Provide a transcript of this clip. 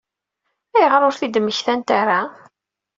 Ayɣer ur t-id-mmektant ara?